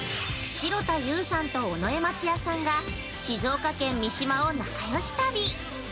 ◆城田優さんと尾上松也さんが静岡県・三島を仲よし旅。